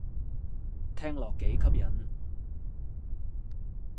聽落幾吸引